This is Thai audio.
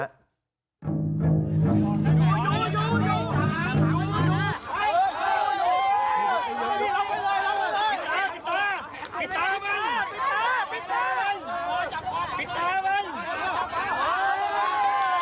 อยู่อยู่อยู่